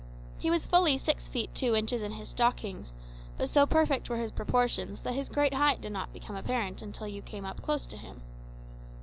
He was fully six feet two inches in his stockings, but so perfect were his proportions that his great height did not become apparent until you came close up to him.